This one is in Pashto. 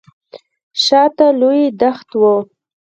شاته لوی دښت و.